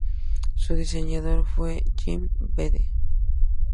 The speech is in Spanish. Su diseñador fue Jim Bede.